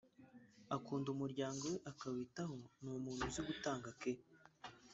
Akunda umuryango we akawitaho (ni umuntu uzi gutanga care)